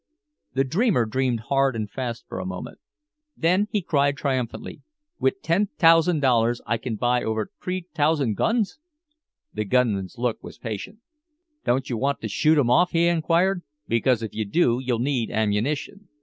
The dreamer dreamed hard and fast for a moment. "Then," he cried triumphantly, "wit' ten t'ousand dollairs I can buy over t'ree t'ousand guns!" The gunman's look was patient. "Don't you want to shoot 'em off?" he inquired. "Because if you do you'll need ammunition.